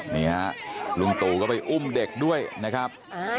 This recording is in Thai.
นี่ฮะลุงตู่ก็ไปอุ้มเด็กด้วยนะครับ